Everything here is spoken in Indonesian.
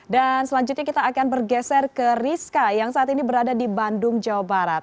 dan selanjutnya kita akan bergeser ke rizka yang saat ini berada di bandung jawa barat